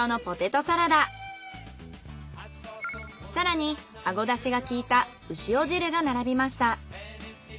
更にあごだしが効いた潮汁が並びました。